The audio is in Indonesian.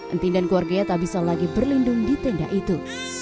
entin dan keluarganya tak bisa lagi berlindung di tenda itu